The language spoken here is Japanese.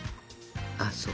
あっそう。